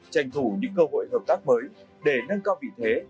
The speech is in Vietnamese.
tranh thủ những cơ hội hợp tác mới để nâng cao vị thế